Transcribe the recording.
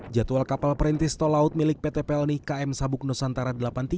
jadwal kapal perintis tol laut milik pt pelni km sabuk nusantara delapan puluh tiga